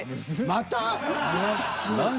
また？